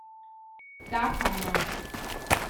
Gar keiner.